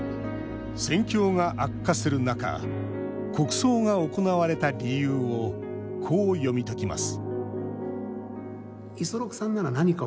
戦況が悪化する中国葬が行われた理由をこう読み解きます